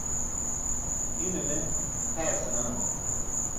Hine ne tʰaar senaan.